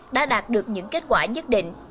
đã đạt được những kết quả nhất định